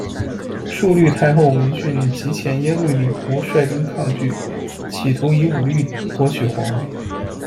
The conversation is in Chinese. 述律太后闻讯，急遣耶律李胡率兵抗拒，企图以武力夺取皇位。